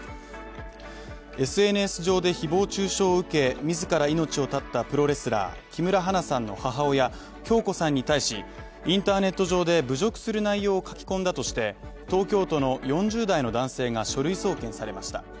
ＳＮＳ上で誹謗中傷を受け、自ら命を絶ったプロレスラー木村花さんの母親、響子さんに対し、インターネット上で侮辱する内容を書き込んだとして東京都の４０代の男性が書類送検されました。